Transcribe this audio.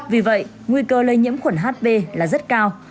vì vậy nguy cơ lây nhiễm khuẩn hv là rất cao